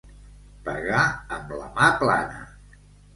Pegar amb la mà plana.